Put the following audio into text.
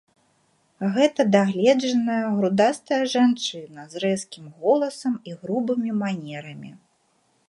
Гэта дагледжаная, грудастая жанчына з рэзкім голасам і грубымі манерамі.